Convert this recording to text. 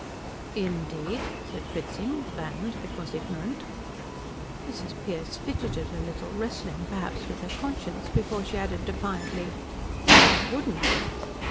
"Indeed?" said Fritzing, bland because ignorant. Mrs. Pearce fidgeted a little, wrestling perhaps with her conscience, before she added defiantly, "It wouldn't."